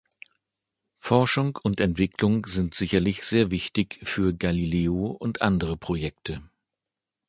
Forschung und Entwicklung sind sicherlich sehr wichtig für Galileo und andere Projekte.